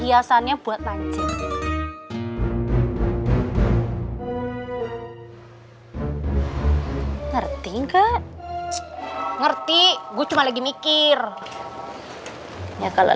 masa appointments aususan permintaan pertanyaan